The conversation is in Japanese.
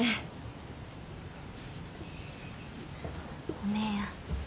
お姉やん。